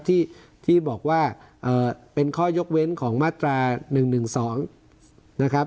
ที่ที่บอกว่าเอ่อเป็นข้อยกเว้นของมาตราหนึ่งหนึ่งสองนะครับ